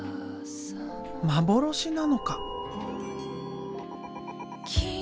幻なのか？